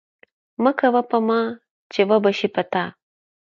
مه کوه په ما، چې وبه سي په تا!